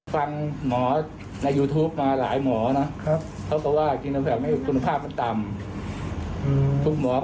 แต่นี่หลายคนก็สงสัยในเมื่อนายกฉีดจีโนแวคมา๒เข็มแล้ว